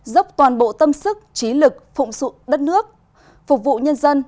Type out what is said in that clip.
dốc toàn bộ tâm sức trí lực phụng sự đất nước phục vụ nhân dân